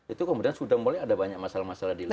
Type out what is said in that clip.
itu kemudian sudah mulai ada banyak masalah masalah di luar